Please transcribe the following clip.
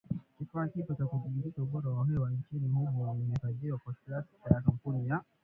Kifaa kipya cha kudhibiti ubora wa hewa nchini humo kimefadhiliwa kwa kiasi na kampuni ya